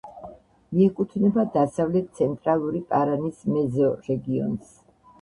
მიეკუთვნება დასავლეთ-ცენტრალური პარანის მეზორეგიონს.